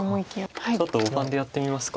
ちょっと大盤でやってみますか。